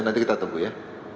nanti kita tunggu ya